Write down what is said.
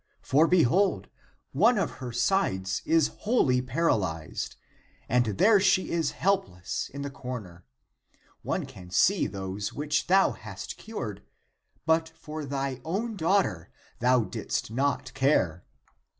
For behold, one of her sides is wholly paralyzed, and there she is helpless in the corner. One can see those which thou hast cured ; but for thy own daughter thou didst not care."